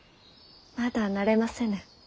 まだ慣れませぬ。